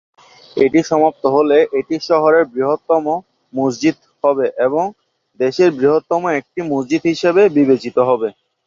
এটি সমাপ্ত হলে, এটি শহরের বৃহত্তম মসজিদ হবে এবং দেশের বৃহত্তম একটি মসজিদ হিসাবে বিবেচিত হবে।